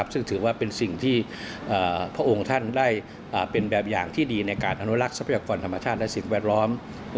ซึ่งถือว่าเป็นสิ่งที่พระองค์ท่านได้เป็นแบบอย่างที่ดีในการอนุรักษ์ทรัพยากรธรรมชาติและสิ่งแวดล้อม